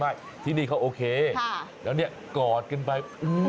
ที่นี่เขาโอเคแล้วเนี่ยกอดกันไป